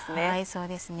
そうですね。